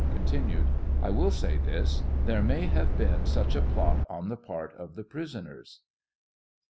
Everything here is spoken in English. (Continued.) I will say this: there may have been such a plot on the part'of the prisoners.